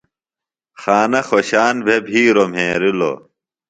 خانہ خوۡشان بھےۡ بھِیروۡ مھرِیلوۡ۔